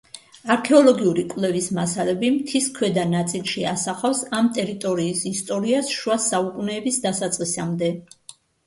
არქეოლოგიური კვლევის მასალები მთის ქვედა ნაწილში ასახავს ამ ტერიტორიის ისტორიას შუა საუკუნეების დასაწყისამდე.